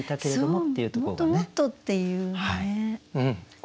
もっともっとっていうね。